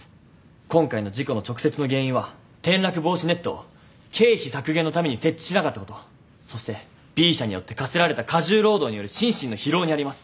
今回の事故の直接の原因は転落防止ネットを経費削減のために設置しなかったことそしてＢ社によって課せられた過重労働による心身の疲労にあります。